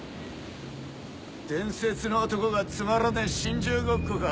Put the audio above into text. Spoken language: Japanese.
伝説の男がつまらねえ心中ごっこか。